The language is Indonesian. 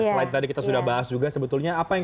selain tadi kita sudah bahas juga sebetulnya apa yang